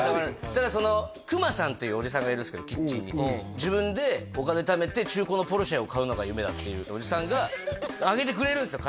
ただその熊さんっていうおじさんがいるんすけどキッチンに自分でお金ためて中古のポルシェを買うのが夢だっていうおじさんが揚げてくれるんすよ